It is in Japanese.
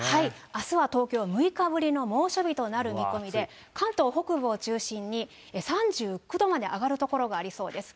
あすは東京、６日ぶりの猛暑日となる見込みで、関東北部を中心に、３９度まで上がる所がありそうです。